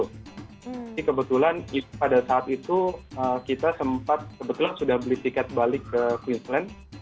tapi kebetulan pada saat itu kita sempat kebetulan sudah beli tiket balik ke queensland